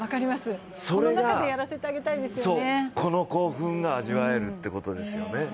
それが、この興奮が味わえるということですよね。